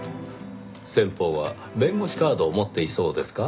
先方は弁護士カードを持っていそうですか？